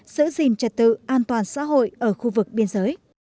giữ gìn trật tự an toàn xã hội ở khu vực biên giới